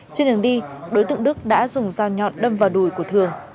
trên đường đi đối tượng đức đã dùng dao nhọn đâm vào đùi của thường